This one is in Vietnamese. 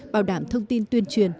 bảo đảm thông tin tuyên truyền